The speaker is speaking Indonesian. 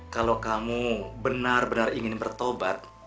kalau kamu benar benar ingin bertobat